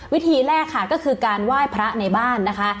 วิธีแรกค่ะก็คือการไหว้พระในบ้านนะคะ